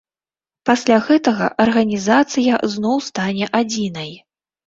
Пасля гэтага арганізацыя зноў стане адзінай.